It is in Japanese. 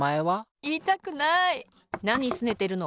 なにすねてるの？